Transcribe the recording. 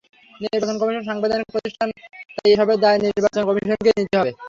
নির্বাচন কমিশন সাংবিধানিক প্রতিষ্ঠান, তাই এসবের দায় নির্বাচন কমিশনকেই নিতে হবে।